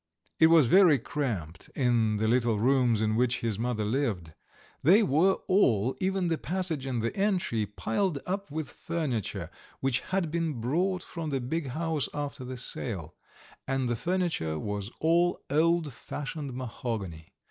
It was very cramped in the little rooms in which his mother lived; they were all, even the passage and the entry, piled up with furniture which had been brought from the big house after the sale; and the furniture was all old fashioned mahogany.